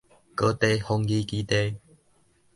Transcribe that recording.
高地防禦基地